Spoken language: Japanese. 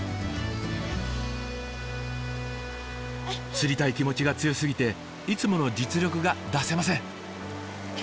釣りたい気持ちが強すぎていつもの実力が出せません。